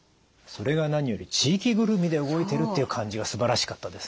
それが何より地域ぐるみで動いてるっていう感じがすばらしかったですね。